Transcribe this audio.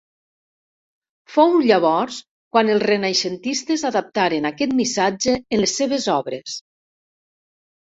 Fou llavors quan els renaixentistes adaptaren aquest missatge en les seves obres.